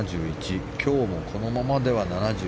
今日も、このままでは７１。